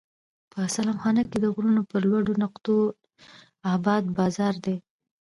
په سلام خانه کې د غرونو پر لوړو نقطو اباد بازار دی.